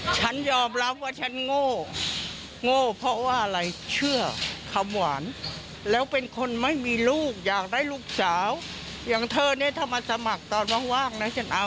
เจ้าด้วยมันไปเกือบ๓๐ล้าน๙๔ไมค์นี่เกือบ๑๖๑๕ตั้ง๒๙แล้ว